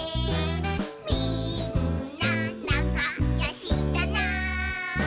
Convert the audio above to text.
「みんななかよしだな」